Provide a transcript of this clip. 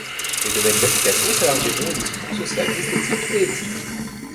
Les domaines d'application s'élargiront aux discours social esthétique et éthique.